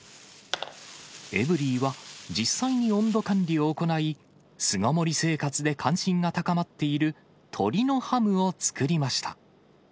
エブリィは実際に温度管理を行い、巣ごもり生活で関心が高まっている鶏のハムを作りました。